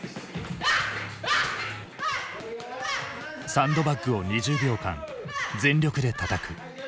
サンドバッグを２０秒間全力でたたく。